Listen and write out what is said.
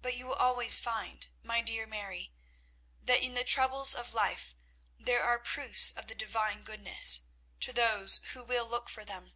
"But you will always find, my dear Mary, that in the troubles of life there are proofs of the Divine goodness, to those who will look for them.